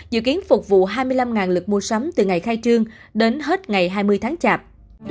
dự kiến phục vụ hai mươi năm lực mua sắm từ ngày khai trương đến hết ngày hai mươi tháng chạp